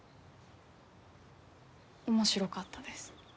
面白かったです。